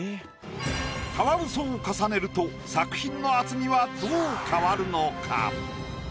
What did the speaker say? カワウソを重ねると作品の厚みはどう変わるのか？